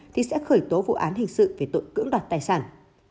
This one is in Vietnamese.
thì sẽ khởi tố vụ án hình sự về tội cưỡng đoạt tài sản